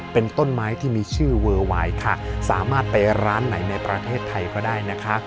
เป็นต้นไม้ที่มีชื่อเวอร์วายค่ะสามารถไปร้านไหนในประเทศไทยก็ได้นะคะ